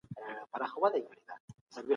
د هېواد حقيقي ملي عايد زياتوالی موندلی دی.